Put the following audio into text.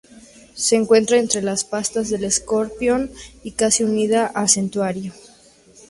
Se encuentra entre las patas del escorpión y casi unida a centauro.